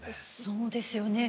そうですよね。